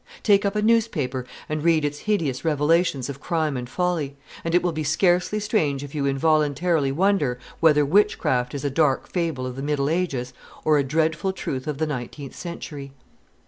Take up a newspaper and read its hideous revelations of crime and folly; and it will be scarcely strange if you involuntarily wonder whether witchcraft is a dark fable of the middle ages, or a dreadful truth of the nineteenth century.